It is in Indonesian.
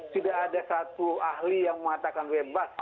tidak ada satu ahli yang mengatakan bebas